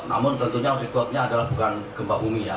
namun tentunya rekodnya adalah bukan gempa bumi ya